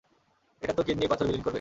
এটা তোর কিডনির পাথর বিলীন করবে।